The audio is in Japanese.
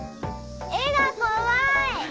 絵が怖い！